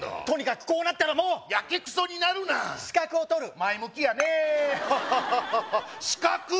とにかくこうなったらもうやけくそになるな資格を取る前向きやねハッハッハ資格！？